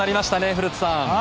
古田さん。